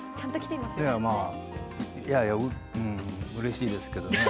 いや、うれしいですけどね。